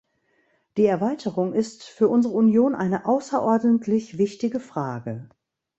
Die Erweiterung ist für unsere Union eine außerordentlich wichtige Frage.